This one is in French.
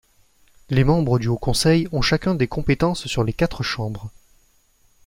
Les membres du Haut Conseil ont chacun des compétences sur les quatre chambres.